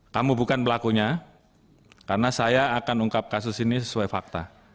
kamu bukan pelakunya karena saya akan ungkap kasus ini sesuai fakta